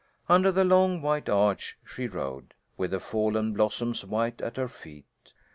Under the long white arch she rode, with the fallen blossoms white at her feet.